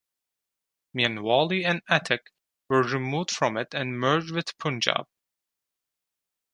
Mianwali and Attock were removed from it and merged with Punjab.